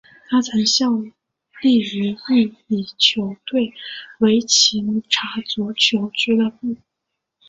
他曾效力于意乙球队维琴察足球俱乐部。